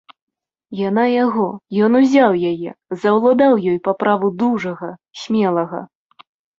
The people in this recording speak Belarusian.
Яна яго, ён узяў яе, заўладаў ёй па праву дужага, смелага.